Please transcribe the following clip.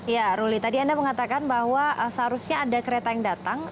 ya ruli tadi anda mengatakan bahwa seharusnya ada kereta yang datang